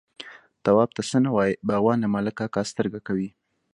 _تواب ته څه نه وايي، باغوان، له ملک کاکا سترګه کوي.